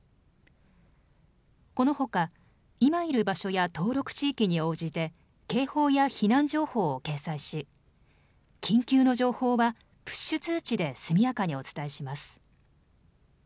このほか、今いる場所や登録地域に応じて警報や避難情報を掲載し緊急の情報はプシュ通知で速やかにお伝えします。